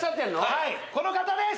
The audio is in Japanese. はいこの方です！